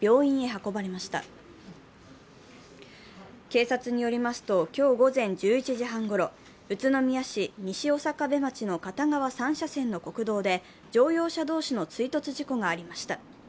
警察によりますと、今日午前１１時半ごろ、宇都宮市西刑部町の片側３車線の国道で乗用車同士の追突事故がありました。